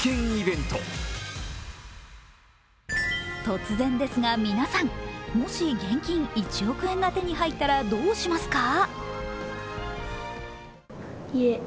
突然ですが皆さん、もし現金１億円が手に入ったらどうしますか？